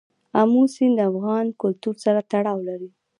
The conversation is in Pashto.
آمو سیند د افغان کلتور سره تړاو لري.